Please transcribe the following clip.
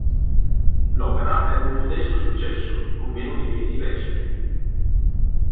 L'opera ebbe un modesto successo, con meno di venti recite.